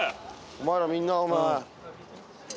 お前らみんなお前。